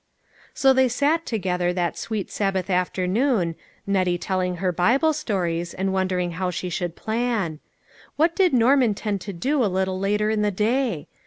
So they sat together that sweet Sabbath after noon, Nettie telling her Bible stories, and won dering how she should plan. What did Norm intend to do a little later in the day?